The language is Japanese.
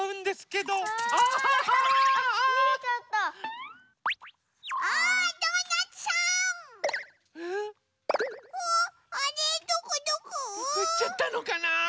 どこいっちゃったのかな？